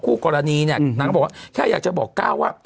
คู่กรณีเนี่ยนางก็บอกว่าแค่อยากจะบอกก้าวว่า